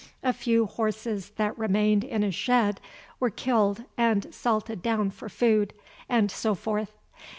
A few horses that remained in a shed were killed and salted down for food, and so forth.